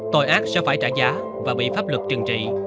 tội ác sẽ phải trả giá và bị pháp luật trừng trị